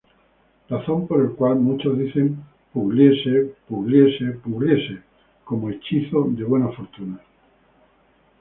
Razón por la cual muchos dicen: "Pugliese, Pugliese, Pugliese" como "hechizo" de buena fortuna.